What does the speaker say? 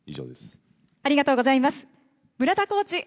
ありがとうございます。